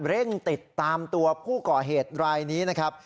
เร่งติดตามตัวผู้ก่อเหตุรายนี้นะครับ